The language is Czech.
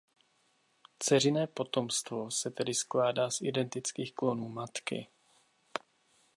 Dceřiné potomstvo se tedy skládá z identických klonů matky.